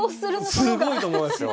すごいと思いますよ。